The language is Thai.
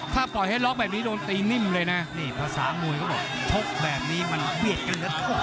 ถ้าปล่อยให้ล็อกแบบนี้โดนตีนิ่มเลยนะนี่ภาษามวยเขาบอกชกแบบนี้มันเบียดกันนะ